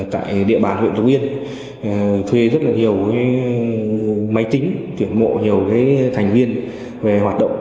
tại địa bàn huyện lâu yên thuê rất nhiều máy tính tuyển mộ nhiều thành viên về hoạt động